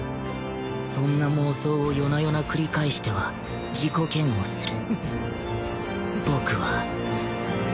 そんな妄想を夜な夜な繰り返しては自己嫌悪する